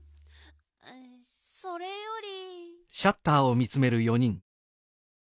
それより。